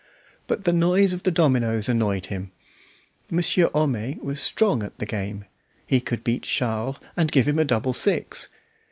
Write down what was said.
But the noise of the dominoes annoyed him. Monsieur Homais was strong at the game; he could beat Charles and give him a double six.